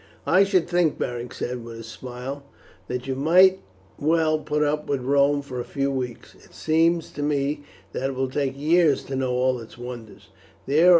"I should think," Beric said with a smile, "that you might well put up with Rome for a few weeks. It seems to me that it will take years to know all its wonders.